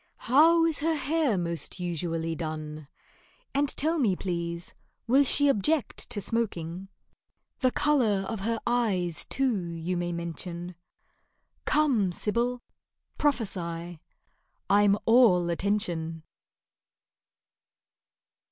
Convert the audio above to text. How is her hair most usually done? And tell me, please, will she object to smoking? The colour of her eyes, too, you may mention: Come, Sibyl, prophesy—I'm all attention.